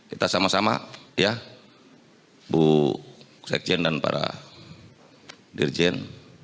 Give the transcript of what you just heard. kita sama sama ya bu sekjen dan para dirjen